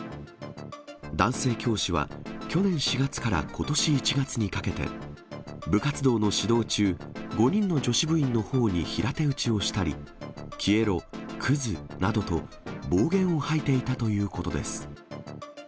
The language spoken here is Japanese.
男性教師は、去年４月からことし１月にかけて、部活動の指導中、５人の女子部員のほおに平手打ちをしたり、消えろ、くずなどと、暴言を吐いていたということです。